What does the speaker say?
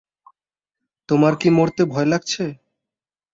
তোমার কি মরতে ভয় লাগছে?